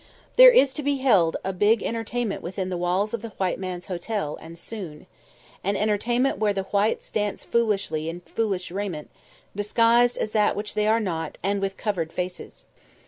There is to be held a big entertainment within the walls of the white man's hotel, and soon. An entertainment where the whites dance foolishly in foolish raiment, disguised as that which they are not and with covered faces.